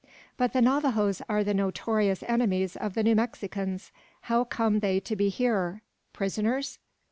"But the Navajoes are the notorious enemies of the New Mexicans! How come they to be here? Prisoners?"